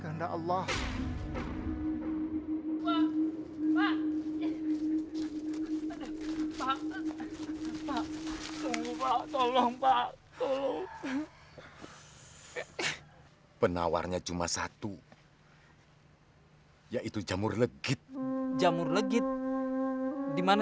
ridwan salah ridwan